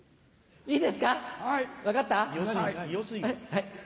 はい。